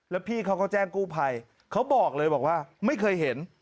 แล้วพี่เขาก็แจ้งกู้ภัยเขาบอกเลยบอกว่าไม่เคยเห็น